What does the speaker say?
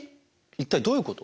一体どういうこと？